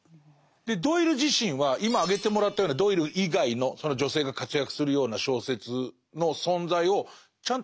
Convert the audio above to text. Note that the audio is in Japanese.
でドイル自身は今挙げてもらったようなドイル以外のその女性が活躍するような小説の存在をちゃんと知っているのかしら？